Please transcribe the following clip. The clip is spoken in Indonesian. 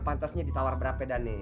pantasnya ditawar berapa ya dhani